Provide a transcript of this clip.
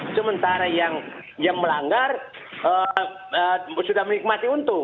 sementara yang melanggar sudah menikmati untung